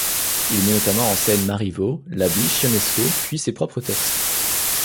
Il met notamment en scène Marivaux, Labiche, Ionesco, puis ses propres textes.